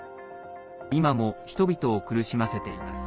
今も人々を苦しませています。